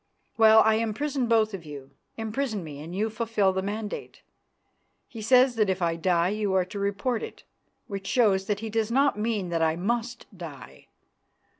Well, I imprisoned both of you. Imprison me and you fulfil the mandate. He says that if I die you are to report it, which shows that he does not mean that I must die.